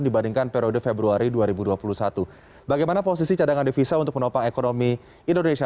bagaimana posisi cadangan divisa untuk penopang ekonomi indonesia